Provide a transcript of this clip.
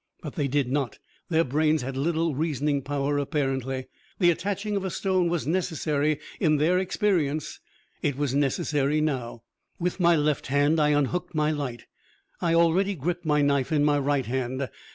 But they did not. Their brains had little reasoning power, apparently. The attaching of a stone was necessary, in their experience; it was necessary now. With my left hand I unhooked my light; I already gripped my knife in my right hand.